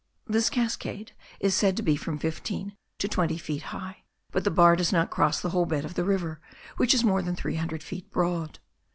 This cascade is said to be from fifteen to twenty feet high; but the bar does not cross the whole bed of the river, which is more than three hundred feet broad.